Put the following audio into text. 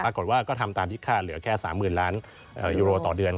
ปรากฏว่าก็ทำตามที่ค่าเหลือแค่๓๐๐๐ล้านยูโรต่อเดือน